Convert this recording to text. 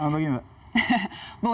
selamat pagi mbak